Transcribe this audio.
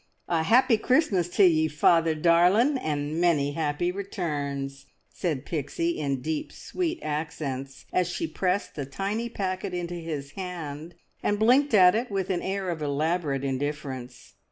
"A happy Christmas to ye, father darlin', and many happy returns!" said Pixie in deep sweet accents, as she pressed the tiny packet into his hand, and blinked at it with an air of elaborate indifference.